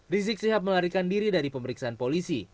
rizik sihab melarikan diri dari pemeriksaan polisi